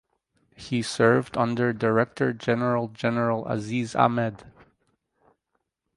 He served under Director General General Aziz Ahmed.